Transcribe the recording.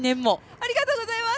ありがとうございます。